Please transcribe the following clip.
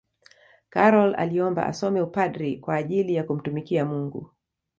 karol aliomba asome upadri kwa ajili ya kumtumikia mungu